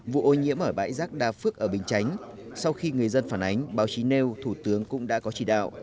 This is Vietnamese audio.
vụ ô nhiễm ở bãi rác đa phước ở bình chánh sau khi người dân phản ánh báo chí nêu thủ tướng cũng đã có chỉ đạo